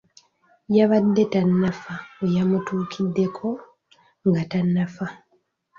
Yabadde tannafa we namutuukiddeko, nga tannafa.